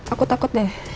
aku takut deh